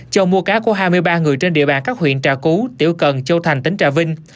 chồng mua cá của hai mươi ba người trên địa bàn các huyện trà cú tiểu cần châu thành tỉnh trà vinh